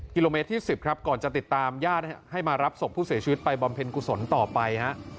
กิโลเมตรที่๑๐ครับก่อนจะติดตามญาติให้มารับศพผู้เสียชีวิตไปบำเพ็ญกุศลต่อไปฮะ